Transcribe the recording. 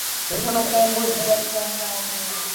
Ebitono ku mbuzi.